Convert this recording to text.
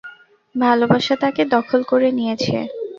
ভালবাসা তাকে দখল করে নিয়েছে।